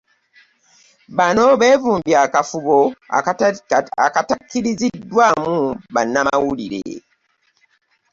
Bano beevumbye akafubo akatakkiriziddwamu bannamawulire